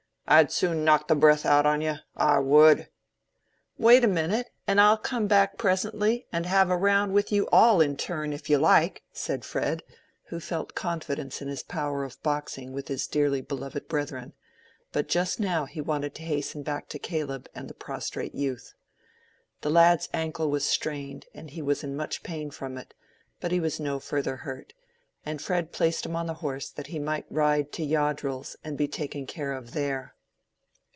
I'd soon knock the breath out on ye, I would." "Wait a minute, and I'll come back presently, and have a round with you all in turn, if you like," said Fred, who felt confidence in his power of boxing with his dearly beloved brethren. But just now he wanted to hasten back to Caleb and the prostrate youth. The lad's ankle was strained, and he was in much pain from it, but he was no further hurt, and Fred placed him on the horse that he might ride to Yoddrell's and be taken care of there.